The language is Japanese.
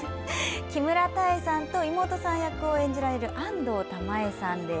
木村多江さんと妹さん役を演じる安藤玉恵さんです。